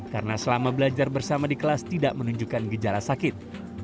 karena selama belajar bersama di kelas tidak menunjukkan gejala sakit